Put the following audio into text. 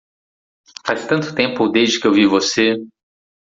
Faz tanto tempo desde que eu vi você!